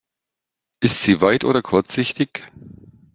Ist sie weit- oder kurzsichtig?